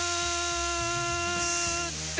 って